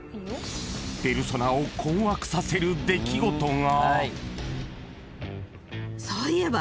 ペルソナを困惑させる出来事が］